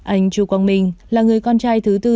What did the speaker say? anh chu quang minh là người con trai thứ tư